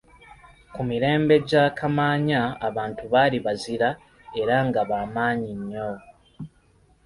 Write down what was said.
Ku mirembe gya Kamaanya abantu baali bazira era nga ba maanyi nnyo.